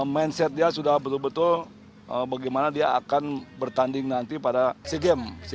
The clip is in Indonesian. mindset dia sudah betul betul bagaimana dia akan bertanding nanti pada sea games